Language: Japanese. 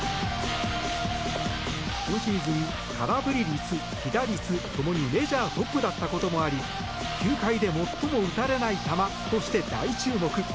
今シーズン空振り率、被打率共にメジャートップだったこともあり球界で最も打たれない球として大注目。